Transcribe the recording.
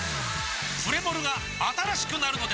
プレモルが新しくなるのです！